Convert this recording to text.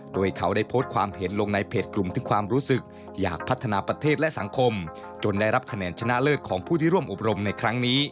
โดยเขาได้โพสต์ความเห็นลงในเพจกลุ่มถึงความรู้สึกอยากพัฒนาประเทศและสังคมจนได้รับคะแนนชนะเลิศของผู้ที่ร่วมอบรมในครั้งนี้